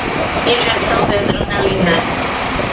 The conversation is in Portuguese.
Injeção de adrenalina